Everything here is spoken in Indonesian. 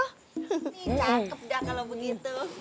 cakep dah kalau begitu